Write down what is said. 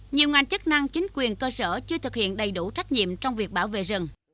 nhiều ngành chức năng chính quyền cơ sở chưa thực hiện đầy đủ trách nhiệm trong việc bảo vệ rừng